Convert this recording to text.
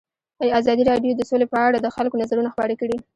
ازادي راډیو د سوله په اړه د خلکو نظرونه خپاره کړي.